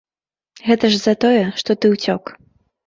Гэта ж за тое, што ты ўцёк.